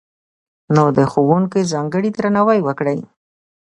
نو، د ښوونکي ځانګړی درناوی وکړئ!